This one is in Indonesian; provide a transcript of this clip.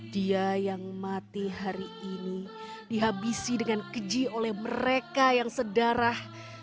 dia yang mati hari ini dihabisi dengan keji oleh mereka yang sedarah